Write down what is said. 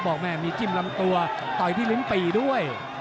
บอกแม่มีจิ้มลำตัวต่อยที่ลิ้นปี่ด้วย